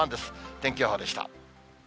天気予報でした。